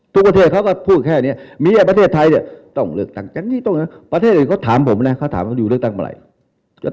ทุกประเทศเค้าก็พูดแค่นี้มีแบบประเทศไทยเนี่ยต้องเลือกตังค์กันนี่ต้องเงย